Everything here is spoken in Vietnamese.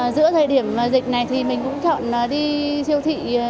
giữa thời điểm dịch này thì mình cũng chọn đi siêu thị